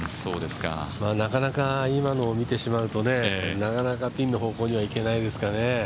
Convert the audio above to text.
今のを見てしまうと、なかなかピンの方向には行けないですかね。